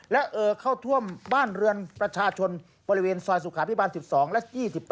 และเอ่อเข้าท่วมบ้านเรือนประชาชนบริเวณซอยสุขาพิบาล๑๒และ๒๘